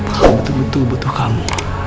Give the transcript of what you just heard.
aku butuh butuh butuh kamu